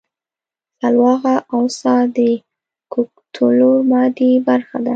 سلواغه او څا د کولتور مادي برخه ده